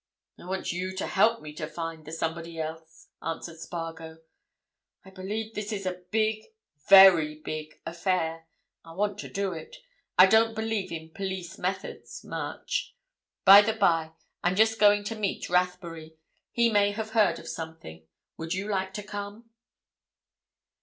"I want you to help me to find the somebody else," answered Spargo. "I believe this is a big, very big affair: I want to do it. I don't believe in police methods—much. By the by, I'm just going to meet Rathbury. He may have heard of something. Would you like to come?"